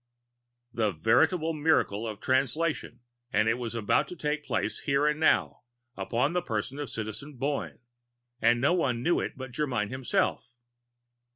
The veritable miracle of Translation and it was about to take place here and now, upon the person of Citizen Boyne! And no one knew it but Germyn himself!